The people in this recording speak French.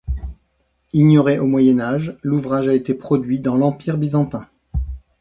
Ignoré au Moyen Âge, l'ouvrage a été produit dans l'empire byzantin.